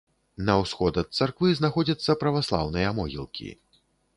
На ўсход ад царквы знаходзяцца праваслаўныя могілкі.